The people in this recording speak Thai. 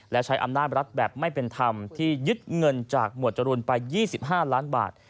และใช้อำนาจรัฐแบบไม่เป็นธรรมที่ยึดเงินจากหมวดจรูนไป๒๕ล้านบาท